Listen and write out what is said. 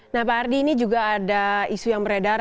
nah pak ardi ini juga ada isu yang beredar